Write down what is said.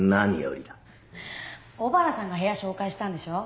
小原さんが部屋紹介したんでしょう。